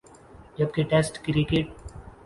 جب کہ test cricket